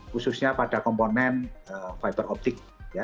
khususnya pada komponen fiber optik